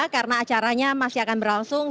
karena acaranya masih akan berlangsung